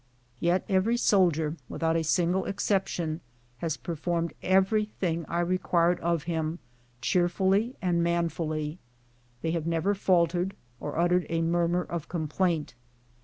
Yet every soldier, without a single exception, has performed every thing I required of him cheerfully and manfully ; they have never faltered, or uttered a murmur of complaint.